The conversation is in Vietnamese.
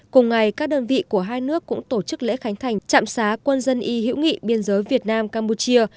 cùng ngày các đơn vị của hai nước cũng tổ chức lễ khánh thành trạm xá quân dân y hữu nghị biên giới việt nam campuchia